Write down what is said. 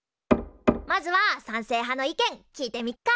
まずは賛成派の意見聞いてみっか。